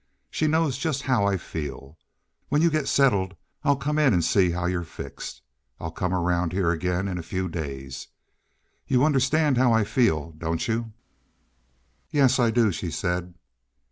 She knows just how I feel. When you get settled I'll come in and see how you're fixed. I'll come around here again in a few days. You understand how I feel, don't you?" "Yes, I do," she said.